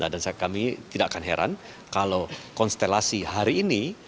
dan kami tidak akan heran kalau konstelasi hari ini